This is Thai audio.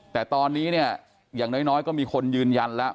แต่ตอนนี้เนี่ยอย่างน้อยก็มีคนยืนยันแล้ว